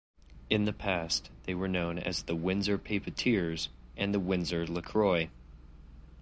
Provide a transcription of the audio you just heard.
In the past, they were known as the Windsor Papetiers and the Windsor Lacroix.